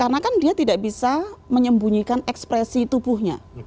karena kan dia tidak bisa menyembunyikan ekspresi tubuhnya